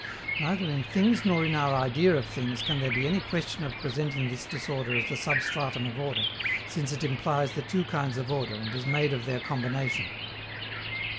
Neither in things nor in our idea of things can there be any question of presenting this disorder as the substratum of order, since it implies the two kinds of order and is made of their combination.